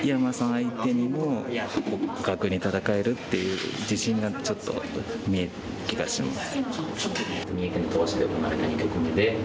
相手にも互角に戦えるっていう自信がちょっと見える気がします。